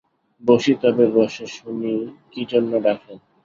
বসি তবে বসে শুনি কীজন্য ডাকলেন!